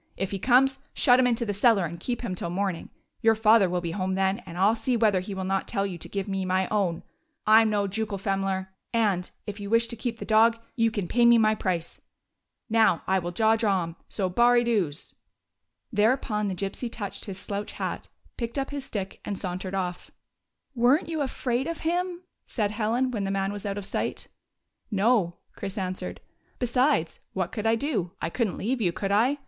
If he comes, shut him into the cellar and keep him till the morning. Your father will be home then, and I 'll see whether he will not tell you to give me my own. I 'm no jucal femler, and, if you wish to keep the dog, you can pay me 50 THE GYPSY DOG FINDS A NEW HOME my price. Now, I will jaw drom. So, baurie dews ." Thereupon the Gypsy touched his slouch hat, picked up his stick and sauntered off. " Were n't you afraid of him ?" said Helen, when the man was out of sight. " No," Chris answered. " Besides, what could I do? I could n't leave you, could I?